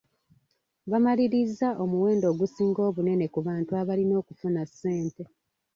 Bamalirizza omuwendo ogusinga obunene ku bantu abalina okufuna ssente.